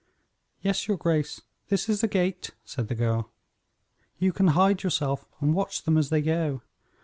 "Yes, your grace, this is the gate," said the girl. "You can hide yourself and watch them as they go.